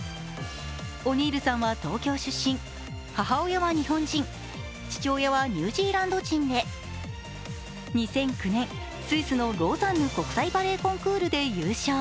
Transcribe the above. オニールさんは東京出身母親は日本人、父親はニュージーランド人で、２００９年、スイスのローザンヌ国際バレエコンクールで優勝。